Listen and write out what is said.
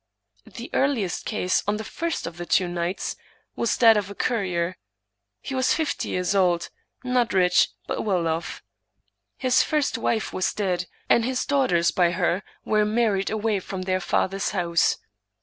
The earliest case on the first of the two nights was that of a currier. He was fifty years old ; not rich, but well off. His first wife was dead, and his daughters by her were married away from their father's house.